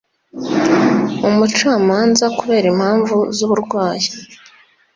umucamanza kubera impamvu z uburwayi